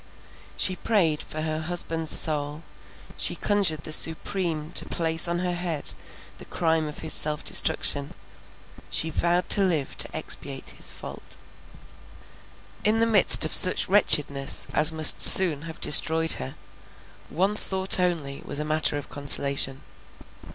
She prayed for her husband's soul; she conjured the Supreme to place on her head the crime of his self destruction—she vowed to live to expiate his fault. In the midst of such wretchedness as must soon have destroyed her, one thought only was matter of consolation.